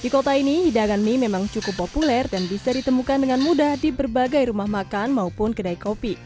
di kota ini hidangan mie memang cukup populer dan bisa ditemukan dengan mudah di berbagai rumah makan maupun kedai kopi